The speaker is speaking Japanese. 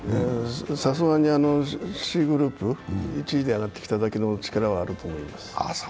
さすがにＣグループ１位で上がってきただけの力はあると思います。